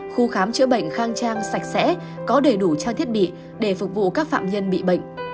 khu khám chữa bệnh khang trang sạch sẽ có đầy đủ trang thiết bị để phục vụ các phạm nhân bị bệnh